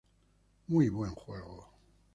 Muy buen juego".